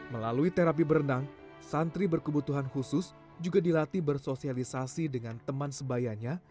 melalui terapi berenang santri berkebutuhan khusus juga dilatih bersosialisasi dengan teman sebayanya